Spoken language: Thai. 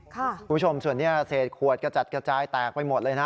คุณผู้ชมส่วนนี้เศษขวดกระจัดกระจายแตกไปหมดเลยนะ